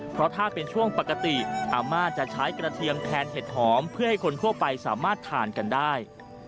เพราะถ้าเป็นช่วงปกติอาม่าจะใช้กระเทียมแทนเห็ดหอมเพื่อให้คนทั่วไปสามารถทานกันได้